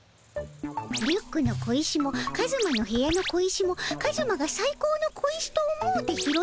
リュックの小石もカズマの部屋の小石もカズマがさい高の小石と思うて拾った小石であろ？